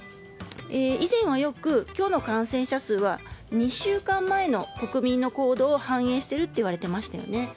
以前はよく今日の感染者数は２週間前の国民の行動を反映しているといわれていましたよね。